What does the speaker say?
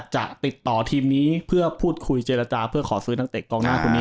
จะติดต่อทีมนี้เพื่อพูดคุยเจรจาเพื่อขอซื้อนักเตะกองหน้าคนนี้